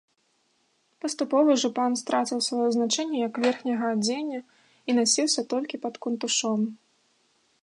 Паступова жупан страціў сваё значэнне як верхняга адзення і насіўся толькі пад кунтушом.